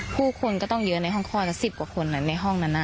ผู้คนก็ต้องเยอะในห้องคอเลย๑๐ตัวคนในห้องนั้นน่ะ